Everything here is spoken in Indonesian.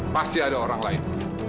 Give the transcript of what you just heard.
pasti ada orang lain